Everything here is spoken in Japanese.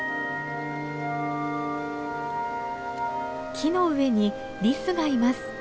木の上にリスがいます。